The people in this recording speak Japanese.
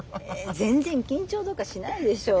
全然緊張とかしないでしょ。